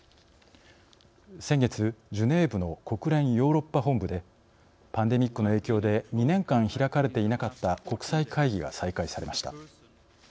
先月、ジュネーブの国連ヨーロッパ本部でパンデミックの影響で２年間、開かれていなかった国際会議が再開されました。